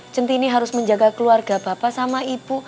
centini harus menjaga keluarga bapak sama ibu